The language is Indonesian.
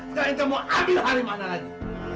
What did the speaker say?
sekarang saya mau ambil harimu lagi